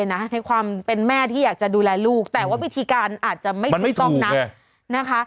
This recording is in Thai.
ในความเป็นแม่ที่อยากจะดูแลลูกแต่ว่าวิธีการอาจจะไม่ถูกต้องนักนะคะ